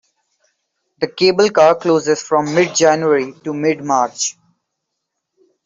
The cablecar closes from mid January to mid March.